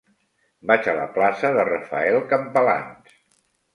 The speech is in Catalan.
Vaig a la plaça de Rafael Campalans.